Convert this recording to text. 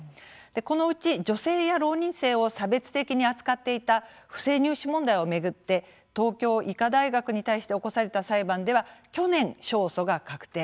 このうち、女性や浪人生を差別的に扱っていた不正入試問題を巡って東京医科大学に対して起こされた裁判では去年、勝訴が確定。